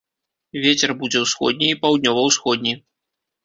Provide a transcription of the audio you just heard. Вецер будзе ўсходні і паўднёва-ўсходні.